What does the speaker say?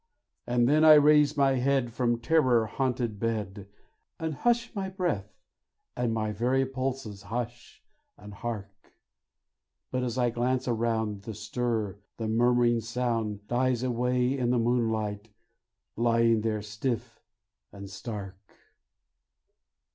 And then I raise my head From terror haunted bed, And hush my breath, and my very pulses hush and hark; But as I glance around, The stir, the murmuring sound, Dies away in the moonlight, lying there stiff and stark.